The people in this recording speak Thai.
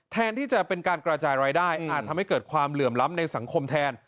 แทนที่จะเป็นการกระจายรายได้อาจทำให้เกิดความเหลื่อมล้ำในสังคมแทน